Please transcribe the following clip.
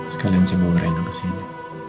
sekalian saya bawa rina kesini